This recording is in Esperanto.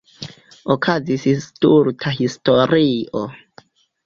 Okazis stulta historio.